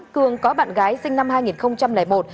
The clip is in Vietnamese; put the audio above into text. cường có bạn gái sinh năm hai nghìn một